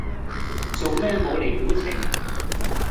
做咩冇厘表情